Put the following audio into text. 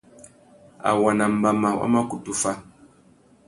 Awa nà mbama wa mà kutu fá.